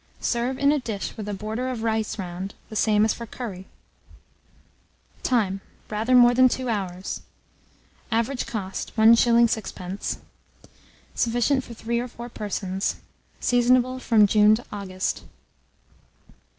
Serve in a dish, with a border of rice round, the same as for curry. Time. Rather more than 2 hours. Average cost, 1s. 6d. Sufficient for 3 or 4 persons. Seasonable from June to August.